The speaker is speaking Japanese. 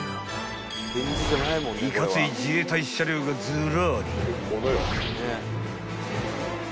［いかつい自衛隊車両がズラリ］